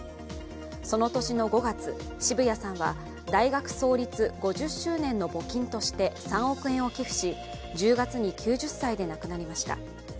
その年の５月、澁谷さんは大学創立５０周年の募金として３億円を寄付し、１０月に９０歳で亡くなりました。